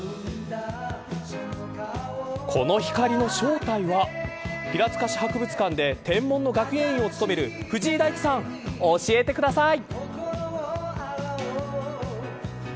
この光の正体は平塚市博物館で天文の学芸員を務める藤井大地さん、教えてください。